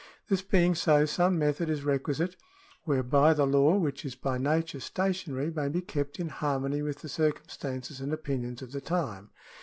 This being so, some method is requisite whereby the law, which is by nature stationary, may be kept in harmony with the circumstances and opinions of the time.